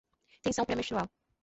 Tensão pré-menstrual